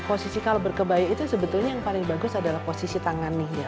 posisi kalau berkebaya itu sebetulnya yang paling bagus adalah posisi tangan nih ya